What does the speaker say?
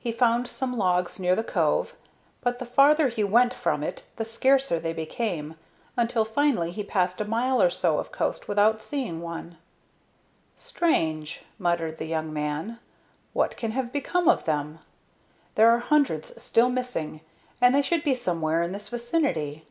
He found some logs near the cove; but the farther he went from it the scarcer they became, until finally he passed a mile or more of coast without seeing one. "Strange!" muttered the young man. "What can have become of them? There are hundreds still missing, and they should be somewhere in this vicinity."